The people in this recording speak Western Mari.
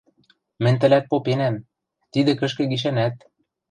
— Мӹнь тӹлӓт попенӓм... тидӹ кӹшкӹ гишӓнӓт.